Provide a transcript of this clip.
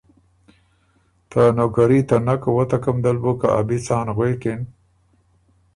ته نوکري ته نک وتکم دل بُو که ا بی څان غوېکِن